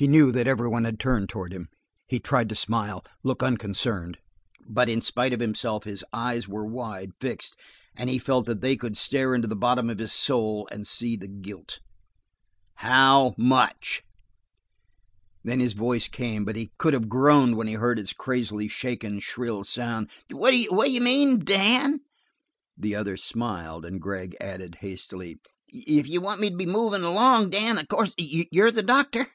He knew that every one had turned toward him and he tried to smile, look unconcerned, but in spite of himself his eyes were wide, fixed, and he felt that they could stare into the bottom of his soul and see the guilt. "How much?" Then his voice came, but he could have groaned when he heard its crazily shaken, shrill sound. "What d'you mean, Dan?" The other smiled and Gregg added hastily: "If you want me to be movin' along, Dan, of course you're the doctor."